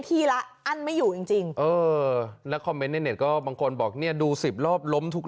ที่ละอันไม่อยู่จริงก็บางคนบอกเนี่ยดู๑๐รอบล้อบทุก